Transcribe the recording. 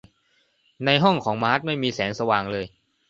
ในห้องของมาร์ธไม่มีแสงสว่างเลย